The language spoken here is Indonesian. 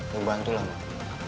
lo bantu lah mon